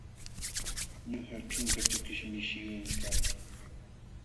Ñuqa ćhunka tukish mishiyuqmi kaa.